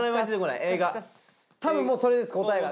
たぶんもうそれです答えが。